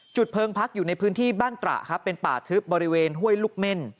เพิงพักอยู่ในพื้นที่บ้านตระครับเป็นป่าทึบบริเวณห้วยลูกเม่น